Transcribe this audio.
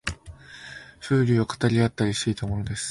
風流を語り合ったりしていたものです